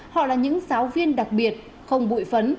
họ là những giáo viên đặc biệt không bụi phấn